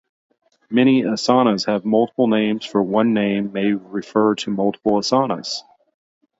Many asanas have multiple names or one name may refer to multiple asanas.